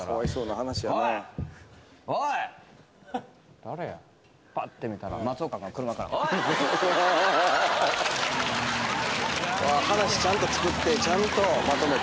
話ちゃんと作ってちゃんとまとめて。